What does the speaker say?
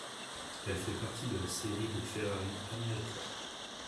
Elle fait partie de la série des Ferrari America.